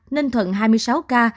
ninh thuận hai mươi sáu ca